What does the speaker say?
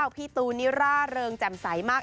พี่ตูนนี่ร่าเริงแจ่มใสมาก